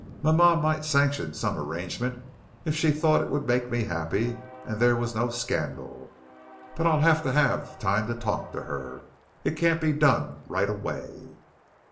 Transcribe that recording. Mama might sanction some arrangement if she thought it would make me happy and there was no scandal. But I'll have to have time to talk to her. It can't be done right away."